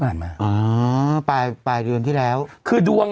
อ๋ออ้อปลายปีที่เดียว